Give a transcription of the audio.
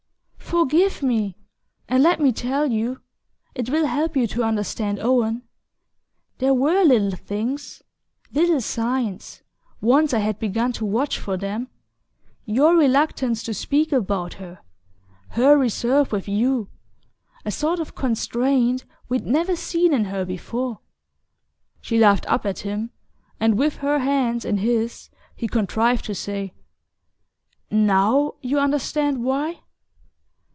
"Forgive me! And let me tell you!... It will help you to understand Owen...There WERE little things ... little signs ... once I had begun to watch for them: your reluctance to speak about her ... her reserve with you ... a sort of constraint we'd never seen in her before..." She laughed up at him, and with her hands in his he contrived to say: "NOW you understand why?"